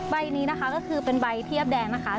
ใบนี้นะคะก็คือเป็นใบเทียบแดงนะคะ